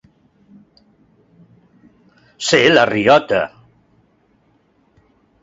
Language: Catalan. Ser la riota.